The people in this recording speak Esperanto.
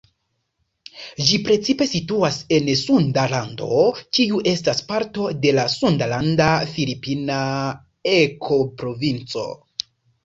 Ĝi precipe situas en Sunda Lando, kiu estas parto de la sundalanda-filipina ekoprovinco.